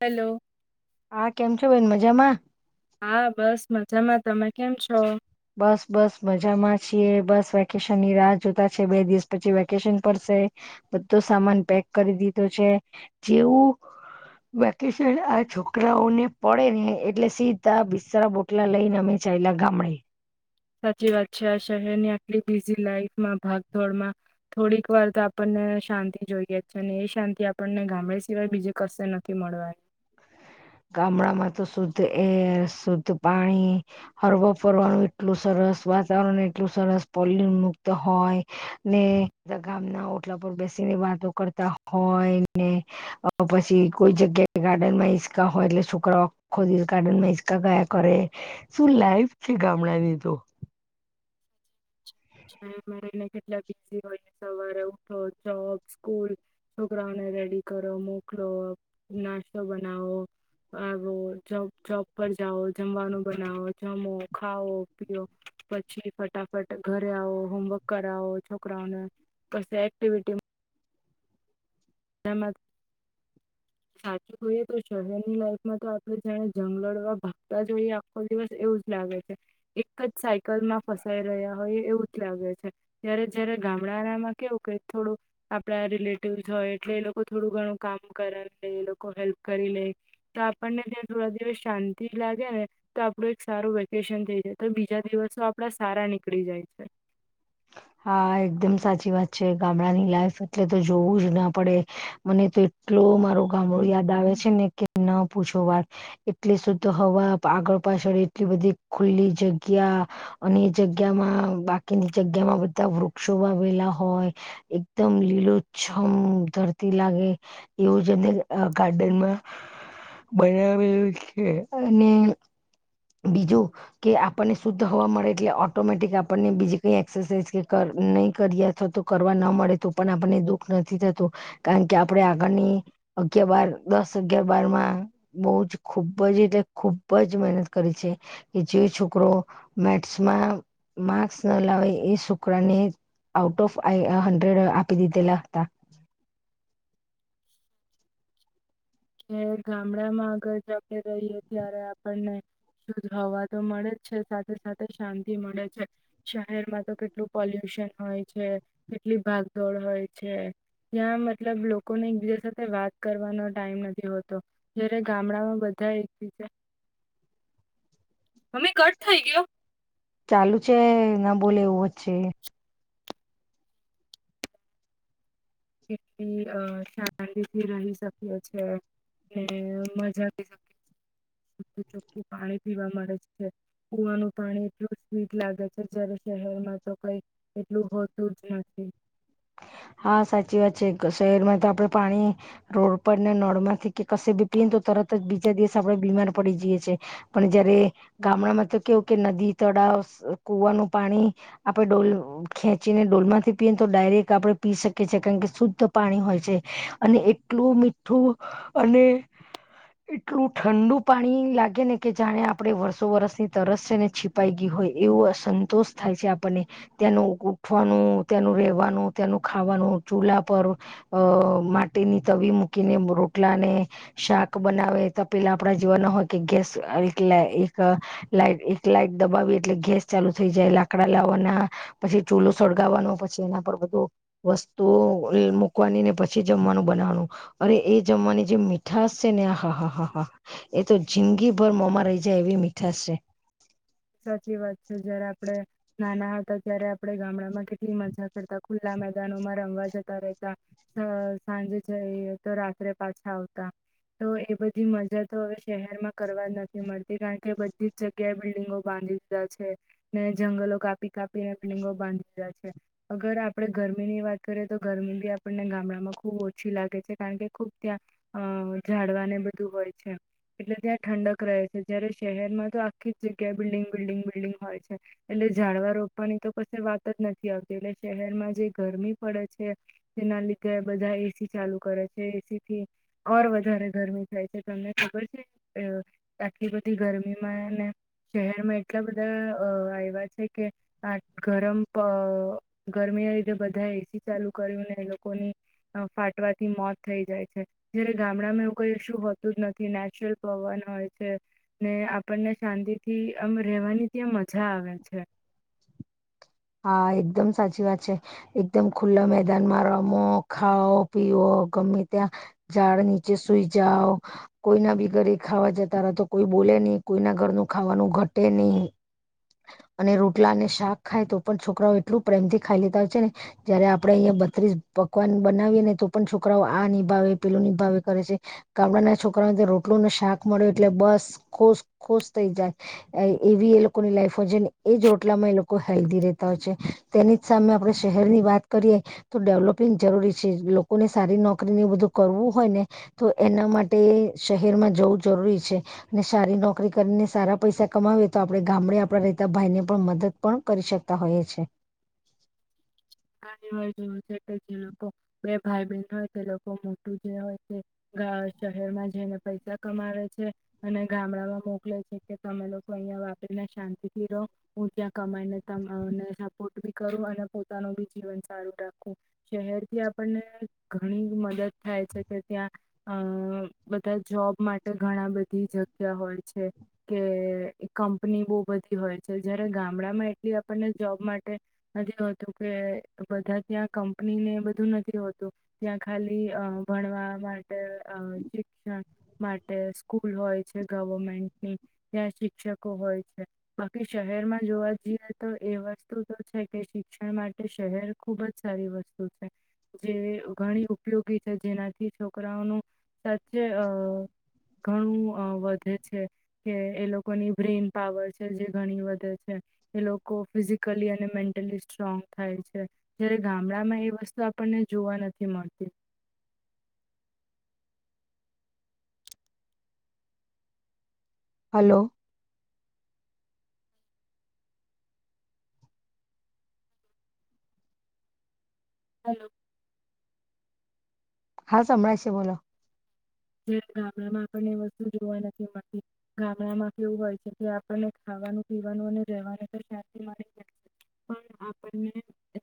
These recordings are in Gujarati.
હેલો. હા, કેમ છો બેન? મજામાં? હા, બસ મજામાં. તમે કેમ છો? બસ, બસ મજામાં છીએ, બસ વેકેશનની રાહ જોતા છે. બે દિવસ પછી વેકેશન પડશે. બધો સામાન પેક કરી દીધો છે. જેવું વેકેશન આ છોકરાઓને પડે ને, એટલે સીધા બિસ્તાર- બોટલા લઈને અમે ચયલા ગામડે. સાચી વાત છે, આ શહેરની આટલી બિઝી લાઈફમાં, ભાગદોડમાં થોડીક વાર તો આપણને શાંતિ જોઈએ છે, અને એ શાંતિ આપણને ગામડે સિવાય બીજ કશે નથી મળવાની. ગામડામાં તો શુદ્ધ એર, શુદ્ધ પાણી, હરવા-ફરવાનું એટલું સરસ વાતાવરણ, એટલું સરસ પોલયુ મુક્ત હોય ને. બધા ગામના ઓટલા પર બેસીને વાતો કરતા હોય ને, પછી કોઈ જગ્યાએ ગાર્ડનમાં હોય એટલે છોકરાખોદીલ ગાર્ડનમાં ગાયા કરે, શું લાઈફ છે ગામડાની તો! ને કેટલા બિઝી હોય-સવારે ઉઠો, જોબ, સ્કૂલ, છોકરાઓને રેડી કરો, મોકલો, નાસ્તો બનાવો, આવો જોબ પર જાઓ, જમવાનું બનાવો, જમો-ખાવો, પીઓ, પછી ફટાફટ ઘરે આવો, હોમવર્ક કરાવો છોકરાઓને, કશે એક્ટિવિટી સાચું હોઈએ તો શહેરની લાઈફમાં તો આપણે જાણે જંગલમાં ભાગતા જઈએ, આખો દિવસ એવું જ લાગે છે એક જ સાઈડ જગલમાં ફસાઈ રહ્યા હોય એવું જ લાગે છે. ત્યારે જયારે ગામડાનામાં કેવું કે થોડું આપડા રિલેટિવસ હોય. એટલે એ લોકો થોડું ઘણું કામ કરી લે, એ લોકો હેલ્પ કરી લે તો આપણને ત્યાં થોડા દિવસ શાંતિ લાગે ને, તો આપણું એક સારું વેકેશન થઈ જાય, તો બીજા દિવસો આપડા સારા નીકળી જાય છે. હા એકદમ સાચી વાત છે ગામડાની લાઈફ એટલે તો જોવું જ ના પડે મને તો એટલો મારો ગામડો યાદ આવે છે ને કે ન પૂછો વાત એટલી શુદ્ધ હવા આગળ પાછળ એટલી બધી ખુલ્લી જગ્યા અને એ જગ્યામાં બાકીની જગ્યામાં તા વૃક્ષો વાવેલા હોય એકદમ લીલોછમ ધરતી લાગે એવું જ અ ગાર્ડનમાં બનાવેલું છે અને બીજું કે આપણને શુદ્ધ હવા મળે એટલે ઓટોમેટિક આપણને બીજી કઈ એક્સરસાઇઝ કે કય નહી કરીયે તો તો કરવા ન મળે તો પણ આપણને દુઃખ નથી થતું કારણ કે આપણે આગળની અગિયાર બાર દસ અગિયાર બારમાં બહુ જ ખુબજ એટલે ખુબજ મહેનત કરી છે કે જે છોકરો મેથ્સમાં માર્ક્સ ના લાવે એ છોકરાને જ આઉટ ઓફ આઈ હડ્રેડ આપી દીધેલા હતા. કે ગામડામાં અગાળ આપણે રહીએ તયારે આપણને શુદ્ધ હવા તો મળે છે સાથે સાથે શાંતિ મળે છે શહેરમાં તો કેટલું પોલ્યુશન હોય છે કેટલી ભાગદોડ હોય છે ત્યાં મતલબ લોકોને એકબીજા સાથે વાત કરવાનો ટાઈમ નથી તે વો તો જય્યારે ગામડામાં બધા એકી છે ચાલુ છે. બોલ એવું જ છે અ શાંતિથી રહી શકીએ છે ને મજા થઈ શકે પાણી પીવા મળે છે કુવાનું પાણી એટલું સ્વીટ લાગે છે જયારે શહેરમાં તો કઈ એટલું હોતું જ નથી હા સાચી વાત છે શહેરમાં તો આપડે પાણી રોડ પર ને નળમાંથી કે કશે ભી પીયને તો તરત જ બીજા દિવસ આપણે બીમાર પડી જઈએ છે પણ જયારે ગામડામાં તો કેવું કે નદી તળાવ કુવાનું પાણી આપણે ડોલ ખેંચીને ડોલમાંથી પીએ ને તો ડાયરેક્ટ ક આપણે પી શકીએ કારણ કે શુદ્ધ પાણી હોય છે અને એટલું મીઠું અને એટલું ઠંડુ પાણી લાગે ને કે જાણે આપણે વર્ષો વરસની તરસ છે ને છીપાઈ ગી હોય એવું અસંતોષ થાય છે આપણને ત્યાંનું ઉઠવાનું ત્યાંનું રેવાનું ત્યાનું ખાવાનું ચૂલા પર અ માટીની તવી મૂકીને રોટલા ને શાક બનાવે ત પેલા આપડા ચુલા ના હોય કે ગેસ એટલ એક લાઈ એક લાાઈટ દબાવી એટલે ગેસ ચાલુ થઈ જાય લાકડા લાવવાના પછી ચૂલો સળગાવવાનો પછી એના પર બધું વસ્તુઓ મૂકવાની ને પછી જમવાનું બનાવવાનું અરે એ જમવાની જે મીઠાસ છે ને આ હા હા હા હા એ તો જિંદગીભર મોમાં રહી જાય એવી મીઠાશ છે. સાચી વાત છે જયારે આપડે નાના હતા ત્યારે આપણે ગામડામાં કેટલી મજા કરતા ખુલ્લા મેદાનોમાં રમવા જતા રેતા સા સાંજે જઈએ તો રાત્રે પાછા આવતા તો એ બધી મજા તો હવે શહેરમાં કરવા નથી મળતી કારણ કે બધી જ જગ્યાએ બિલ્ડિંગો બાંધી દીધા છે ને જંગલો કાપી કાપીને બિલ્ડીંગો બાંધી દીધા છે અગર આપણે ગરમીની વાત કરીએ તો ગરમી બી આપણને ગામડામાં ખુબ ઓછી લાગે છે કારણ કે ખુબ ત્યાં અ ઝાડવાને બધું હોય છે એટલે ત્યાં ઠંડક રહે છે જયારે શહેરમાં તો આખી જ જગ્યાએ બિલ્ડિંગ બિલ્ડિંગ બિલ્ડિંગ હોય છે એટલે ઝાડવા રોપવાની તો કશે વાત જ નથી આવતી એટલે શહેરમાં જે ગરમી પડે છે તેના લીધે બધા એસી ચાલુ કરે છે એસી થી ઓર વધારે ગરમી થાય છે તમને ખબર છે અ આટલી બધી ગરમીમાં ને શહેરમાં એટલા બધા અ આવ્યા છે કે આ ગરમ અ ગરમી ના લીધે બધા એસી ચાલુ કર્યું ને એ લોકોની ફાટવાથી મોત થઈ જાય છે જયારે ગામડામાં એવું કઈ શું હોતું જ નથી નેચરલ પવન હોય છે ને આપણને શાંતિ થી આમ રેવાની ત્યાં મજા આવે છે. હા એકદમ સાચી વાત છે એકદમ ખુલ્લા મેદાનમાં રમો ખાઓ પીઓ ગમે ત્યાં ઝાડ નીચે સુઈ જાઓ કોઈના બી ઘરે ખાવા જતા રહતો કોઈ બોલેની કોઈના ઘરનું ખાવાનું ઘટે નહી અને રોટલા અને શાક ખાય તો પણ છોકરાઓ એટલું પ્રેમથી ખાઈ લેતા હોય છે ને જયારે આપડે અહં બત્રીસ પકવાન બનાવીએ ને તો પણ છોકરાઓ આ નિભાવે પેલું નિભાવે કરે છે ગામડાના છોકરાઓને રોટલું ને શાક મળે એટલે બસ ખુશ ખુશ થઈ જાય એય એવી લોકોની લાઈફમાં છે ને એજ રોટલામાં એ લોકો હેલ્ધી રહેતા હોય છે તેની જ સામે આપણે શહેરની વાત કરીએ તો ડેવલોપિંગ જરૂરી છે લોકોને સારી નોકરીને બધું કરવું હોય ને તો એના માટે શહેરમાં જવું જરૂરી છે અને સારી નોકરી કરીને સારા પૈસા કમાવે તો આપ આપણે ગામડે આપણા રહેતા ભાઈને પણ મદદ પણ કરી શકતા હોઈએ છે. જે લોકો બે ભાઈ બહેન હોય તે લોકો મોટું જે હોય તે શહેરમાં જઈને પૈસા કમાવે છે અને ગામડામાં મોકલે છે કે તમે લોકો અહિયાં વાપરીને શાંતિથી રહો હું ત્યાં કમાઈને તમઅને સપોર્ટ બી કરું અને પોતાનું બી જીવન સારુ રાખવું શહેરથી આપણને ઘણી મદદ થાય છે કે ત્યાં અ બધા જોબ માટે ઘણા બધી જગ્યા હોય છે કે કંપની બહુ બધી હોય છે જયારે ગામડામાં એટલી આપણને જોબ માટે નથી હોતું કે બધા ત્યાં કંપનીને બધું નથી હોતું ત્યાં ખાલી અ ભણવા માટે અ શિક્ષણ માટે સ્કૂલ હોય છે ગવમેન્ટની ત્યાં શિક્ષકો હોય છે બાકી શહેરમાં જોવા જઈએ તો એ વસ્તુ તો છે કે શિક્ષણ માટે શહેર ખુબજ સારી વસ્તુ છે જે ઘણી ઉપયોગી છે જેનાથી છોકરાઓનું સા સાચે અ ઘણું અ વધે છે કે એ લોકોની બ્રેન પાવર છે જે ઘણી વધે છે એ લોકો ફિઝિકલી અને મેન્ટલી સ્ટ્રોંગ થાય છે. છે જયારે ગામડામાં એ વસ્તુ આપણને જોવા નથી મળતી. હાલો હલો હા સંભળાય શે બોલો છે ગામડામાં આપણને વસ્તુ જોવા નથી મળતી ગામડામાં કેવું હોય છે કે આપણને ખાવાનું પીવાનું અને રહેવાનું તો શાંતિ મળી જાય છે પણ આપણને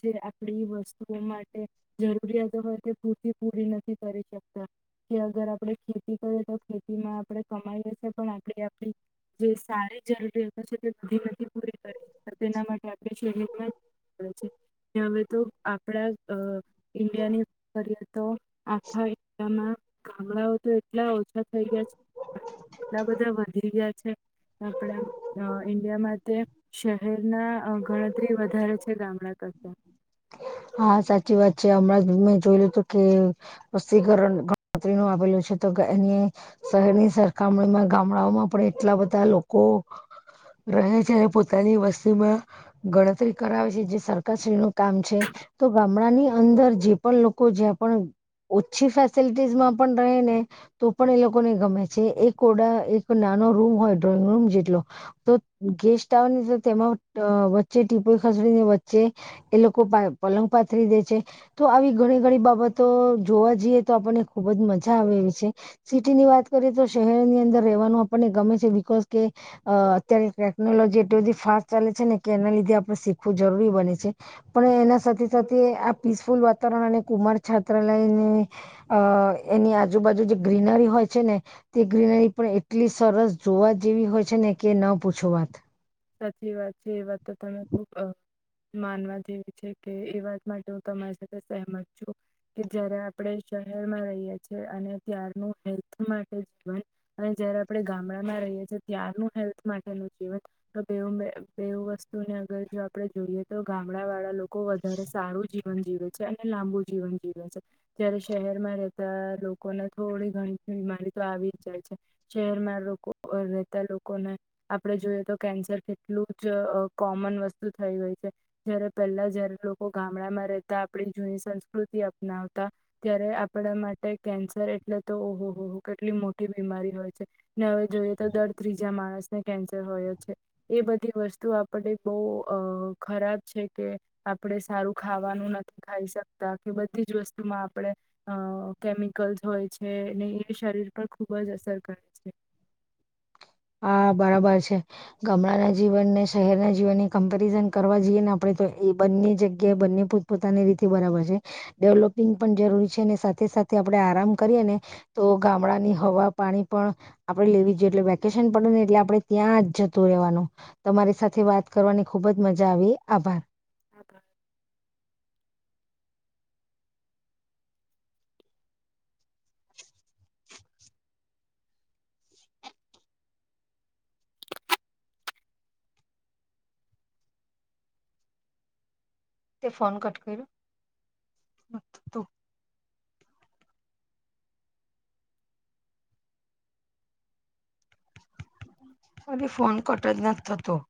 જે આપડી વસ્તુઓ માટે જરૂરિયાતો હોય તે પૂરતી પૂરી નથી કરી શકતા કે અગર આપણે ખેતી કરીએ તો ખેતીમાં આપણે કમાઈ છે પણ આપણે આપણી જે સારી જરૂરિયાતો છે તે ઘણી બધી પૂરી કરી તેના માટે આપણે શહેરમાં જ હવે તો આપણા અ ઈન્ડિયાની વાત કરીએ તો આખા ઇન્ડીયા માં ગામડાઓ તો એટલા ઓછા થઈ ગયા છે એટલા બધા વધી ગયા છે આપણા અ ઈન્ડિયામાં તે શહેરના અ ગણતરી વધારે છે ગામડા કરતા હા સાચી વાત છે હમણાં જ મેં જોયલું હતું કે વસ્તીકરણ ગણતરીનું આવેલું છે તો એની શહેરની સરખામણીમાં ગામડાઓમાં પણ એટલા બધા લોકો રહે છે પોતાની વસ્તીમાં ગણતરી કરાવે છે જે સરકારશ્રીનું કામ છે. તો ગામડાની અંદર જે પણ લોકો જ્યાં પણ ઓછી ફેસિલિટીસમાં પણ રહે ને તો પણ એ લોકોને ગમે છે એક ઓડા એક નાનો રૂમ હોય ડ્રોઈંગ રૂમ જેટલો તો ગેસ્ટ આવે તો તેમાં અ વચ્ચે ટીપોઈ ખસેડીને વચ્ચે એ લોકો પા પલંગ પાથરી દે છે તો આવી ઘણી ઘણી બાબતો જોવા જઈએ તો આપણને ખુબ જ મજા આવે એવી છે સિટીની વાત કરીએ તો શહેરની અંદર રહેવાનું આપણને ગમે છે બિકોઝ કે અ અત્યારે ટેકનોલોજી એટલી બધી ફાસ્ટ ચાલે છે ને કે એના લીધે આપણે શીખવું જરૂરી બને છે પણ એના સાથે સાથે સાથે આ પીસફુલ વાતાવરણ અને કુમાર છાત્રાલયની અ એની આજુબાજુ જે ગ્રીનરી હોય છે ને તે ગ્રીનરી પણ એટલી સરસ જોવા જેવી હોય છે ને કે ન પૂછ વાત સાચી વાત છે એ વાત તો તમે ખૂબ અ માનવા જેવી છે કે એ વાત માટે હું તમારી સાથે સેહમત છું કે જયારે આપણે શહેરમાં રહીએ છે અને ત્યારનું હેલ્થ માટે જીવન અને જયારે આપણે ગામડામાં રહીએ છીએ ત્યારનું હેલ્થ માટેનું જીવન બેવ મે બેવ વસ્તુને અગર જો આપડે જોઈએ તો ગામડા વાળા લોક કો વધારે સારું જી જીવન જીવે છે અને લાંબુ જીવન જીવે છે ત્યારે શહેરમાં રહેતા લોકોને થોડી ઘણી બીમારી તો આવી જ જાય છે શહેરમાં લોકો રહેતા લોકોને આપડે જોઈએ તો કેન્સર એટલું જ અ કોમન વસ્તુ થઈ હોય છે જયારે પહેલા જયારે લોકો ગામડામાં રહેતા આપણી જૂની સંસ્કૃતિ અપનાવતા ત્યારે આપણા માટે કેન્સર એટલે તો ઓહો હોહો કેટલી મોટી બીમારી હોય છે ને હવે જોઈએ તો દર ત્રીજા માણસને કેન્સર હોય જ છે. એ બધી વસ્તુ આપણે બહુ ખરાબ છે કે આપણે સારું ખાવાનું નથી ખાઈ શકતા કે બધી જ વસ્તુમાં આપણે અ કેમિકલ્સ હોય છે ને એ શરીર પર ખૂબ જ અસર કરે છે હ બરાબર છે ગામડાના જીવન ને શહેરના જીવનને કમ્પેરિઝન કરવા જઈએ ને આપડણે તો એ બંને જગ્યાએ બંને પોતપોતાની રીતે બરાબર છે ડેવલોપિંગ પણ જરૂરી છે સાથે સાથે આપડે આરામ કરીએ ને તો ગામડાની હવા પાણી પણ આપડે લેવી જોઈએ એટલે વેકે ડ એટલે આપણે ત્યાં જ જતું રહેવાનું તમારી સાથે વાત કરવાની ખુબ જ મજા આવી આભાર હા હા તે ફોન કટ કર્યું એલી ફોન કટ જ નથી થતો